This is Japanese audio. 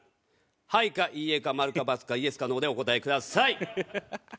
「はい」か「いいえ」か「マル」か「バツ」か「イエス」か「ノー」でお答えください！